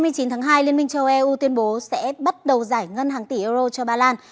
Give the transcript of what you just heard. ngày hai mươi chín tháng hai liên minh châu eu tuyên bố sẽ bắt đầu giải ngân hàng tỷ euro cho ba lan